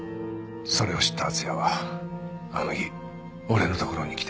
それを知った厚也はあの日俺の所に来て。